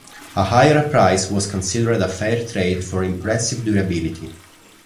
A higher price was considered a fair trade for impressive durability.